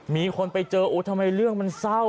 มีคนไปเจออุ๊ยทำไมเรื่องมันเศร้า